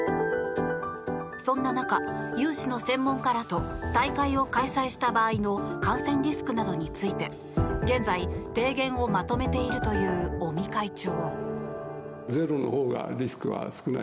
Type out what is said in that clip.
そんな中、有志の専門家らと大会を開催した場合の感染リスクなどについて現在、提言をまとめているという尾身会長。